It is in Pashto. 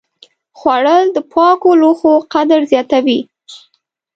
خوړل د پاکو لوښو قدر زیاتوي